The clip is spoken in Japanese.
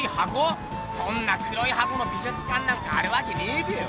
そんな黒い箱の美術館なんかあるわけねえべよ。